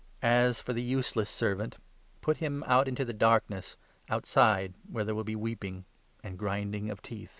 As for the useless servant, ' put 30 him out into the darkness ' outside, where there will be weeping and grinding of teeth.'